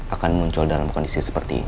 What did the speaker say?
akan muncul dalam kondisi seperti ini